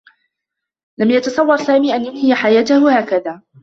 لم يتصوّر سامي أن ينهي حياته هكذا.